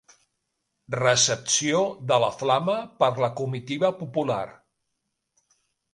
Recepció de la Flama per la comitiva popular.